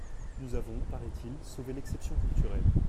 Nous avons, paraît-il, sauvé l’exception culturelle.